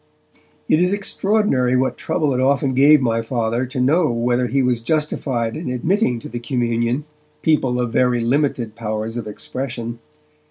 It is extraordinary what trouble it often gave my Father to know whether he was justified in admitting to the communion people of very limited powers of expression.